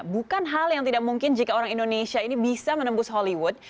bukan hal yang tidak mungkin jika orang indonesia ini bisa menembus hollywood